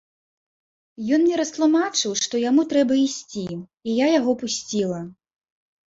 Ён мне растлумачыў, што яму трэба ісці, і я яго пусціла.